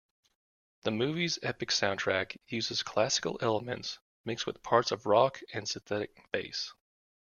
The movie's epic soundtrack uses classical elements mixed with parts of rock and synthetic bass.